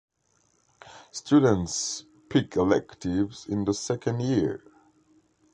Students pick electives in the second year.